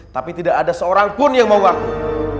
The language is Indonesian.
tapi tidak ada seorang pun yang mau waktu